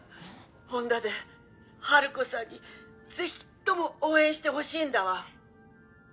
ほんだでハルコさんにぜひとも応援してほしいんだわ。